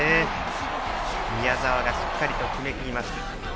宮澤がしっかりと決めきりました。